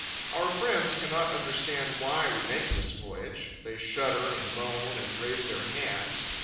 Our friends cannot understand why we make this voyage. They shudder, and moan, and raise their hands.